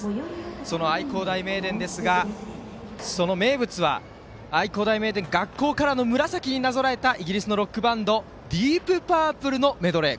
その愛工大名電ですがその名物は愛工大名電からの紫になぞらえたイギリスのロックバンドディープパープルのメドレー。